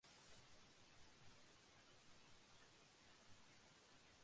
Uniform distribution discrete বা continuous উভয় ধরনেরই হতে পারে।